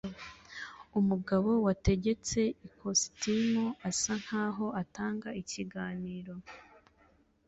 Umugabo wategetse ikositimu asa nkaho atanga ikiganiro